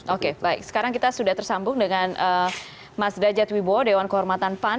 oke baik sekarang kita sudah tersambung dengan mas dajat wibowo dewan kehormatan pan